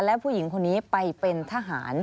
และผู้หญิงคนนี้ไปเป็นทหาร